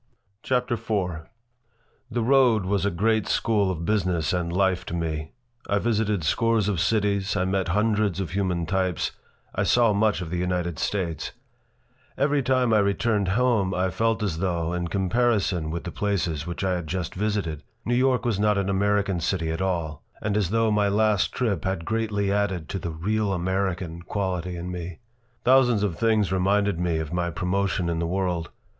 CHAPTER IV THE road was a great school of business and life to me. I visited scores of cities. I met hundreds of human types. I saw much of the United States. Every time I returned home I felt as though, in comparison with the places which I had just visited, New York was not an American city at all, and as though my last trip had greatly added to the "real American" quality in me Thousands of things reminded me of my promotion in the world.